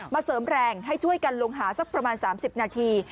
เสริมแรงให้ช่วยกันลงหาสักประมาณ๓๐นาที